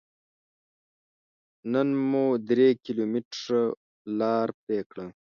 نن مو درې کيلوميټره لاره پرې کړه.